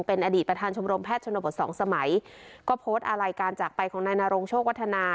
เป็นอดีตประธานชมรมแพทย์ชนบทสองสมัยก็โพสต์อะไรการจากไปของนายนโรงโชควัฒนา